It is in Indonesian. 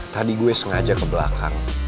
tadi gue sengaja ke belakang